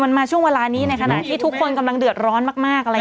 มันมาช่วงเวลานี้ในขณะที่ทุกคนกำลังเดือดร้อนมากอะไรอย่างนี้